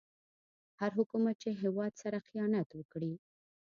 هر حکومت چې هيواد سره خيانت وکړي